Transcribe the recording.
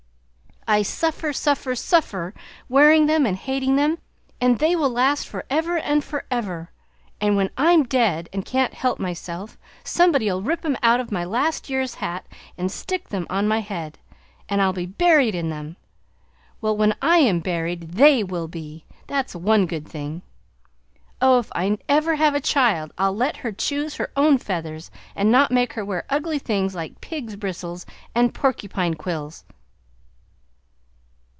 I suffer, suffer, suffer, wearing them and hating them, and they will last forever and forever, and when I'm dead and can't help myself, somebody'll rip them out of my last year's hat and stick them on my head, and I'll be buried in them! Well, when I am buried THEY will be, that's one good thing! Oh, if I ever have a child I'll let her choose her own feathers and not make her wear ugly things like pigs' bristles and porcupine quills!"